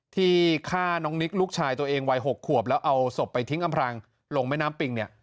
ที่ฆ่าน้องนิกลูกชายตัวเองวัย๖ขวบแล้วเอาศพไปทิ้งอำพรางลงแม่น้ำปิงเนี่ย